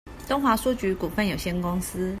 東華書局股份有限公司